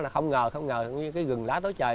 không ngờ như cái gừng lá tối trời